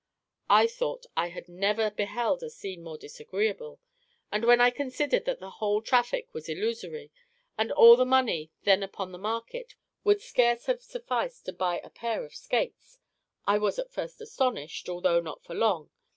I thought I had never beheld a scene more disagreeable; and when I considered that the whole traffic was illusory, and all the money then upon the market would scarce have sufficed to buy a pair of skates, I was at first astonished, although not for long.